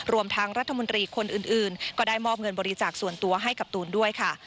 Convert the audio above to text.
รวมทั้งรัฐมนตรีคนอื่นก็ได้มอบเงินบริจาคส่วนตัวให้กับตูนด้วยค่ะ